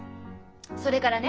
それからね。